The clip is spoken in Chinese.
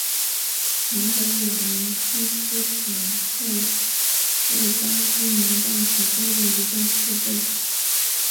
南本雅明康斯坦特是巴西南大河州的一个市镇。